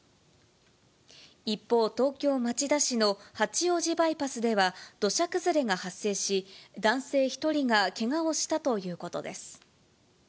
一方、東京・町田市の八王子バイパスでは、土砂崩れが発生し、男性１人がけがをしたということです。